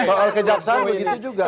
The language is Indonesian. soal kejaksaan begitu juga